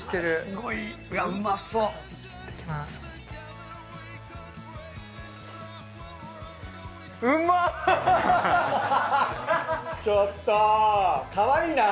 うまい！！